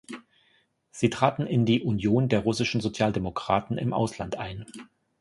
Sie traten in die Union der russischen Sozialdemokraten im Ausland ein.